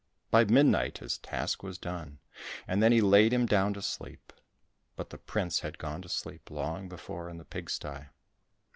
By midnight his task was done, and then he laid him down to sleep. But the prince had gone to sleep long before in the pig sty.